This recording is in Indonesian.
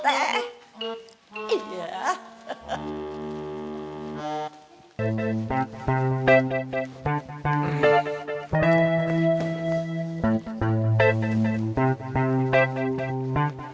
eh buat deh